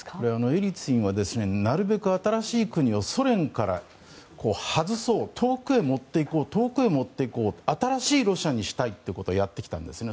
エリツィンはなるべく新しい国をソ連から外そう遠くへ持っていこう新しいロシアにしたいということでやってきたんですね。